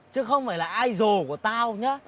chứ không phải là idol của tao nhá